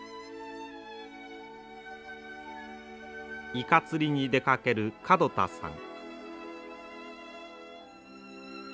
イカ釣りに出かける門田さん。